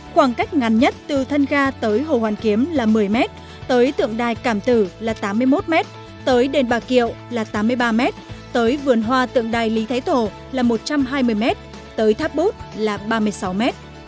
khoảng cách ngắn nhất từ thân ga tới hồ hoàn kiếm là một mươi m tới tượng đài cảm tử là tám mươi một m tới đền bà kiệu là tám mươi ba m tới vườn hoa tượng đài lý thái thổ là một trăm hai mươi m tới tháp bút là ba mươi sáu m